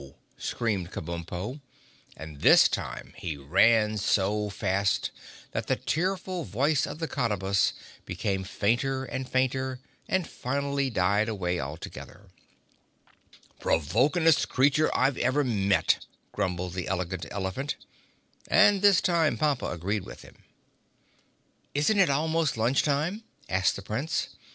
screamed Kabumpo, and this time he ran so fast that the tearful voice of the Cottabus became fainter and fainter and finally died away altogether. "Provokingest creature I've ever met," grumbled the Elegant Elephant, and this time Pompa agreed with him. "Isn't it almost lunch time?" asked the Prince.